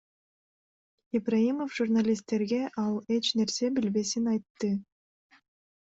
Ибраимов журналисттерге ал эч нерсе билбесин айтты.